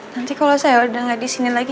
nanti kalau saya sudah tidak disini lagi